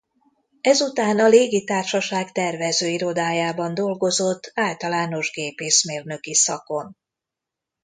Ezután a légitársaság tervezőirodájában dolgozott általános gépészmérnöki szakon.